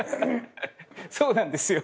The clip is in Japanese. そうなんですよ。